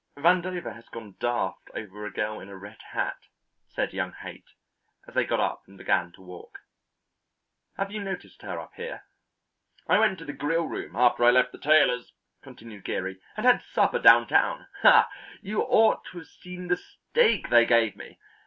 "Vandover has gone daft over a girl in a red hat," said young Haight, as they got up and began to walk. "Have you noticed her up here?" "I went to the Grillroom after I left the tailor's," continued Geary, "and had supper downtown. Ah, you ought to have seen the steak they gave me!